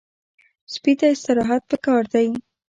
سپي ته استراحت پکار دی.